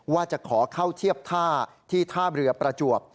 ว่าจะขอเข้าเทียบท่าที่ท่าเรือประจวบ